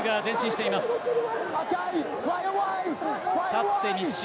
立って密集。